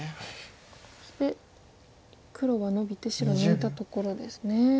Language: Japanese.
そして黒はノビて白抜いたところですね。